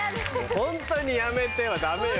「ホントにやめて」はダメよ。